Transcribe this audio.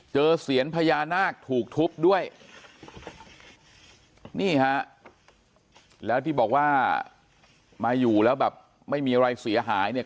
เสียญพญานาคถูกทุบด้วยนี่ฮะแล้วที่บอกว่ามาอยู่แล้วแบบไม่มีอะไรเสียหายเนี่ย